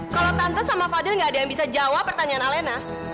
kalau tante sama fadil nggak ada yang bisa jawab pertanyaan alena